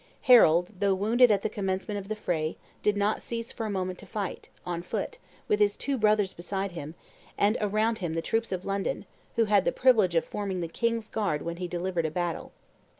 Harold, though wounded at the commencement of the fray, did not cease for a moment to fight, on foot, with his two brothers beside him, and around him the troops of London, who had the privilege of forming the king's guard when he delivered a battle.